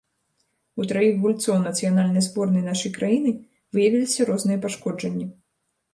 У траіх гульцоў нацыянальнай зборнай нашай краіны выявіліся розныя пашкоджанні.